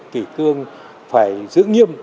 kỷ cương phải giữ nghiêm